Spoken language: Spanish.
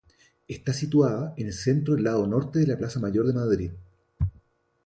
Está situada en el centro del lado norte de la Plaza Mayor de Madrid.